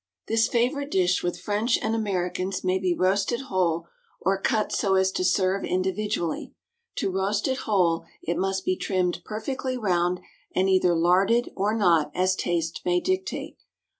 _ This favorite dish with French and Americans may be roasted whole, or cut so as to serve individually. To roast it whole, it must be trimmed perfectly round, and either larded or not as taste may dictate.